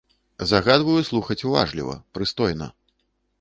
Загадваю слухаць уважліва, прыстойна!